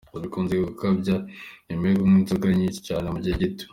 Gusa bikunze gukabya nyuma yo kunywa inzoga nyinshi cyane mu gihe gito.